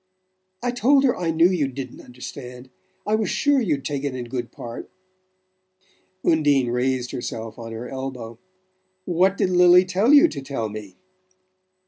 "I told her I knew you didn't understand. I was sure you'd take it in good part..." Undine raised herself on her elbow. "What did Lili tell you to tell me?"